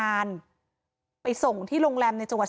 มีเรื่องอะไรมาคุยกันรับได้ทุกอย่าง